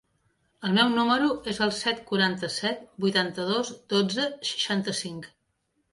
El meu número es el set, quaranta-set, vuitanta-dos, dotze, seixanta-cinc.